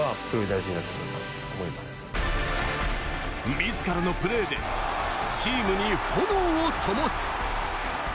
自らのプレーでチームに炎を灯す。